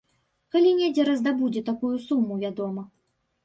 Калі недзе раздабудзе такую суму, вядома.